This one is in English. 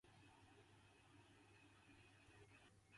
They divorced soon afterwards and Rose returned to live with her mother.